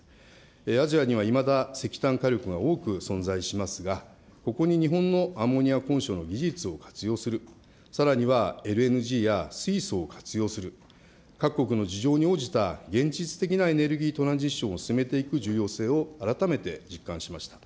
アジアにはいまだ石炭火力が多く存在しますが、ここに日本のアンモニアの技術を活用する、さらにはＬＮＧや水素を活用する、各国の事情に応じた現実的なエネルギートランジションを進めていく重要性を改めて実感しました。